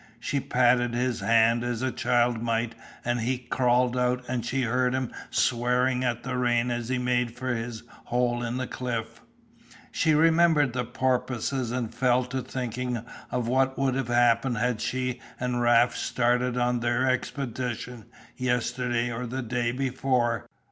She patted his hand as a child might and he crawled out and she heard him swearing at the rain as he made for his hole in the cliff. She remembered the porpoises and fell to thinking of what would have happened had she and Raft started on their expedition yesterday or the day before.